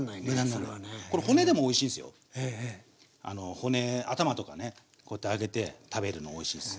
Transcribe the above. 骨頭とかねこうやって揚げて食べるのおいしいっす。